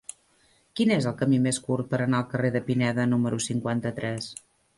Quin és el camí més curt per anar al carrer de Pineda número cinquanta-tres?